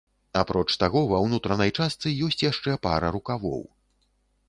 Апроч таго, ва ўнутранай частцы ёсць яшчэ пара рукавоў.